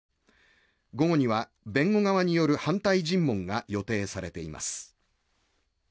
午後には弁護側による反対尋問が予定されています。